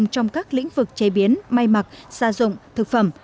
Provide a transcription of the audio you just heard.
trong các lĩnh vực chế biến may mặc gia dụng thực phẩm